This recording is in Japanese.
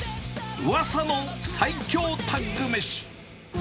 ウワサの最強タッグめし。